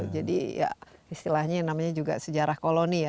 jadi istilahnya yang namanya juga sejarah koloni ya